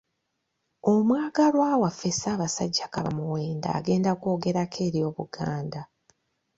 Omwagalwa waffe Ssabasajja Kabaka Muwenda agenda kwogerako eri Obuganda.